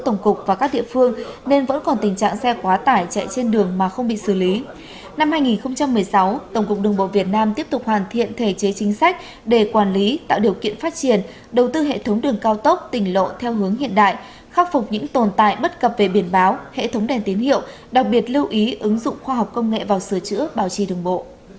năm hai nghìn một mươi sáu tổng cục đường bộ việt nam tiếp tục hoàn thiện thể chế chính sách để quản lý tạo điều kiện phát triển đầu tư hệ thống đường cao tốc tình lộ theo hướng hiện đại khắc phục những tồn tại bất cập về biển báo hệ thống đèn tín hiệu đặc biệt lưu ý ứng dụng khoa học công nghệ vào sửa chữa bảo trì đường bộ